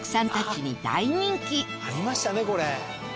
「ありましたねこれ」